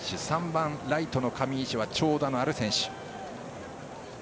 ３番、ライトの上石は長打のある選手。